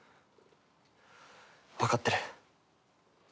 わかってる。